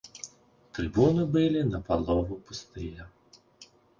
Трыбуны былі напалову пустыя.